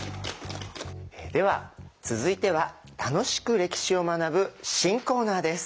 では続いては楽しく歴史を学ぶ新コーナーです。